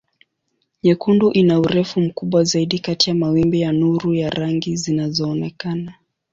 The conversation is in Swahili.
Nyekundu ina urefu mkubwa zaidi kati ya mawimbi ya nuru ya rangi zinazoonekana.